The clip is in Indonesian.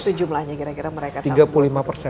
berapa itu jumlahnya kira kira mereka